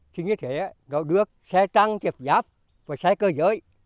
thì như thế nó được xe tăng chiếc giáp và xe cơ giới